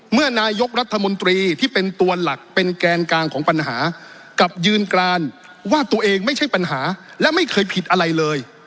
เมื่อนายกรัฐมนตรีที่เป็นตัวหลักเป็นแกนกลางของปัญหากับยืนกรานว่าตัวเองไม่ใช่ปัญหาและไม่เคยผิดอะไรเลย